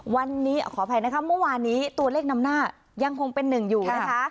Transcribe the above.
วันนี้ขออภัยนะคะเมื่อวานนี้ตัวเลขนำหน้ายังคงเป็นหนึ่งอยู่นะคะ